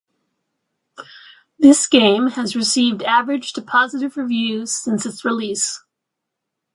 This game has received average to positive reviews since its release.